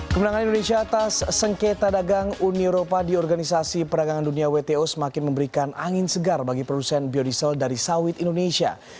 kemenangan indonesia atas sengketa dagang uni eropa di organisasi perdagangan dunia wto semakin memberikan angin segar bagi produsen biodiesel dari sawit indonesia